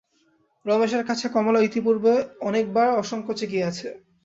রমেশের কাছে কমলা ইতিপূর্বে অনেক বার অসংকোচে গিয়াছে।